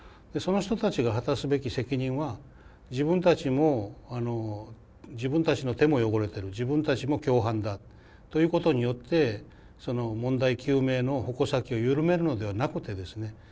その人たちが果たすべき責任は自分たちの手も汚れてる自分たちも共犯だということによって問題究明の矛先を緩めるのではなくてですね